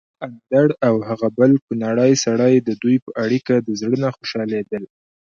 اندړ او هغه بل کونړی سړی ددوی په اړېکه د زړه نه خوشحاليدل